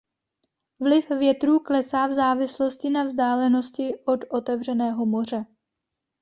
Vliv větrů klesá v závislosti na vzdálenosti od otevřeného moře.